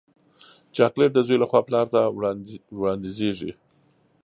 چاکلېټ د زوی له خوا پلار ته وړاندیزېږي.